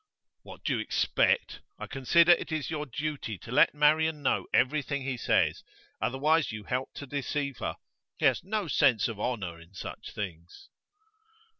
'What do you expect? I consider it is your duty to let Marian know everything he says. Otherwise you help to deceive her. He has no sense of honour in such things.